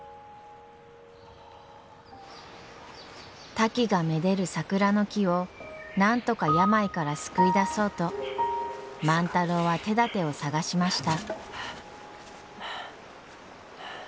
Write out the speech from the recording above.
タキがめでる桜の木をなんとか病から救い出そうと万太郎は手だてを探しました。